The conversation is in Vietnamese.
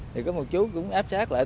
thì có một chú cũng áp sát lại tôi